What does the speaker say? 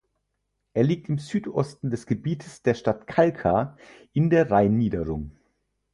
Er liegt im Südosten des Gebietes der Stadt Kalkar in der Rheinniederung.